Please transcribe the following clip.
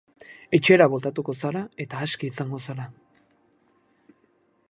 Etxera bueltatuko zara eta aske izango zara.